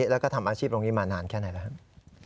แล้วก็ทำอาชีพตรงนี้มานานแค่ไหนแล้วครับ